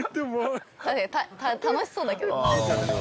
楽しそうだけど。